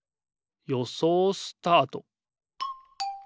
よそうスタート！